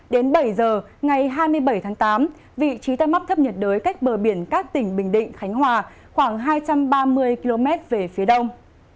đến bảy giờ ngày hai mươi bảy tháng tám vị trí tâm áp thấp nhiệt đới cách bờ biển các tỉnh bình định khánh hòa khoảng hai trăm ba mươi km về phía đông